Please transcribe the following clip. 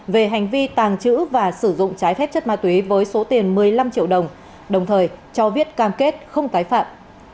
về hành vi tàng trữ và sử dụng trái phép chất ma túy với số tiền một mươi năm triệu đồng đồng thời cho viết cam kết không tái phạm